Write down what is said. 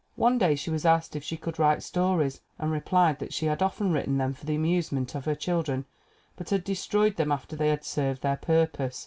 One day she was asked if she could write stories and replied that she had often written them for the amusement of her children but had destroyed them after they had served their purpose.